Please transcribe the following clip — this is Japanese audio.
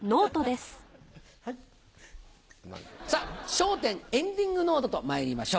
『笑点』エンディングノートとまいりましょう。